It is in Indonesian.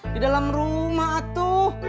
di dalam rumah atuh